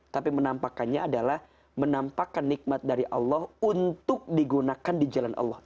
tapi menampakkannya adalah menampakkan nikmat dari allah untuk digunakan di jalan allah